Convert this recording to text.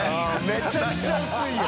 めちゃくちゃ薄いよ。